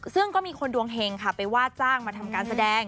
ซึ่งก็มีคนดวงเห็งค่ะไปว่าจ้างมาทำการแสดง